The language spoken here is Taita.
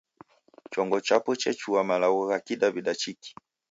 Chongo chapo chechua malagho gha Kidaw'ida chiki.